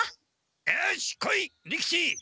よし来い利吉！